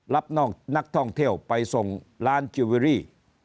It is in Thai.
นักท่องเที่ยวไปส่งร้านจิลเวอรี่